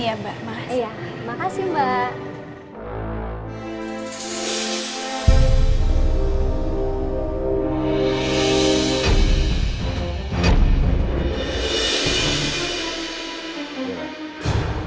iya makasih mbak